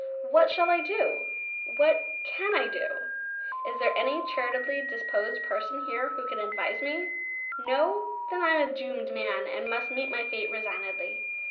What shall I do? What can I do? Is there any charitably disposed person here who can advise me? No? Then I am a doomed man, and must meet my fate resignedly.